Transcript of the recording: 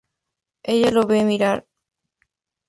Ella lo ve mirar pornografía.